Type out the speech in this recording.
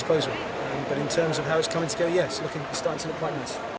tapi bagi cara mencapai kemampuan ya ini mulai terlihat agak mudah